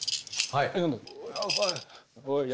はい。